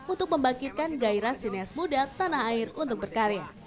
untuk membangkitkan gairah sinias muda tanah air untuk berkarya